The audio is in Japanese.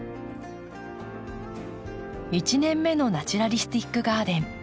１年目のナチュラリスティックガーデン。